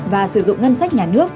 và sử dụng ngân sách nhà nước